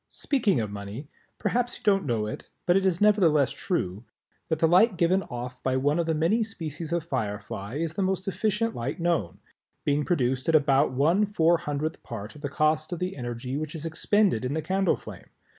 Speaking of money perhaps you don't know it, but it is nevertheless true, that the light given off by one of the many species of Firefly is the most efficient light known, being produced at about one four hundredth part of the cost of the energy which is expended in the candle flame.